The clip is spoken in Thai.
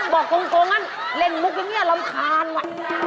บอกตรงงั้นเล่นมุกอย่างนี้รำคาญว่ะ